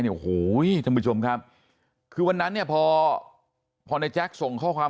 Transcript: โอ้โหท่านผู้ชมครับคือวันนั้นเนี่ยพอพอในแจ๊คส่งข้อความ